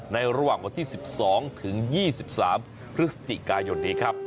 ในระหว่างวันที่สิบสองถึงยี่สิบสามพฤศจิกายนดีครับ